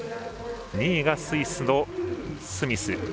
２位がスイスのスミス。